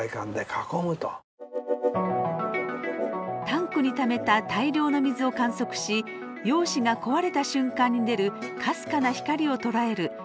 タンクにためた大量の水を観測し陽子が壊れた瞬間に出るかすかな光を捉える光電子増倍管。